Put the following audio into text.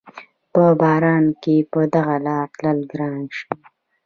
په باران کښې په دغه لاره تلل ګران شي